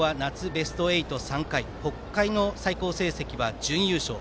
ベスト８、３回北海の最高成績は準優勝。